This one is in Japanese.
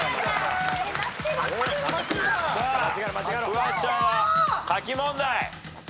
フワちゃんは書き問題。